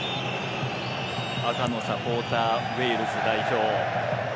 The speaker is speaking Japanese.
赤のサポーターウェールズ代表。